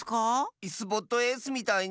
イスボットエースみたいに？